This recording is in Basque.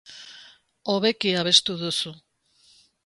Hobeki abestu duzu.